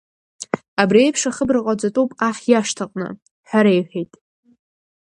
Абри еиԥш ахыбра ҟаҵатәуп аҳ иашҭаҟны, ҳәа реиҳәеит.